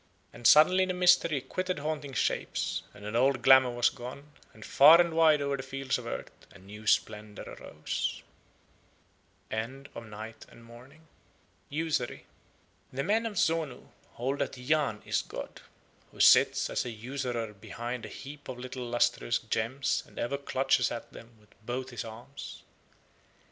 And suddenly the mystery quitted haunting shapes, and an old glamour was gone, and far and wide over the fields of earth a new splendour arose. USURY The men of Zonu hold that Yahn is God, who sits as a usurer behind a heap of little lustrous gems and ever clutches at them with both his arms.